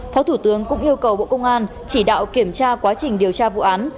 phó thủ tướng cũng yêu cầu bộ công an chỉ đạo kiểm tra quá trình điều tra vụ án